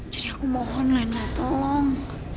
jadi aku mohon lena tolong